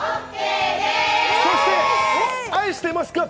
そして、愛してますか？